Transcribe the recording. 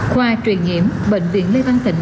khoa truyền nhiễm bệnh viện lê văn thịnh